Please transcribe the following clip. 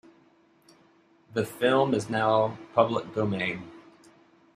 The film is now public domain.